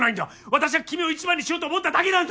私は君を１番にしようと思っただけなんだ。